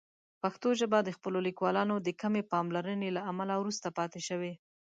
پښتو ژبه د خپلو لیکوالانو د کمې پاملرنې له امله وروسته پاتې شوې.